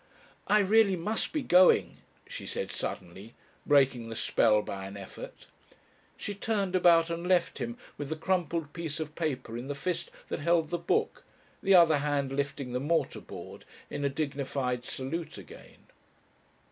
"I really must be going," she said suddenly, breaking the spell by an effort. She turned about and left him with the crumpled piece of paper in the fist that held the book, the other hand lifting the mortar board in a dignified salute again.